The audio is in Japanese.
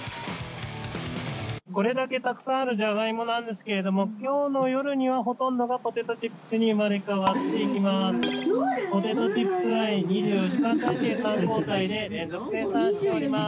これだけたくさんあるジャガイモなんですけれども、きょうの夜には、ほとんどがポテトチップスに生まれ変わっていきます。